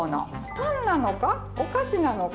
「パンなのか？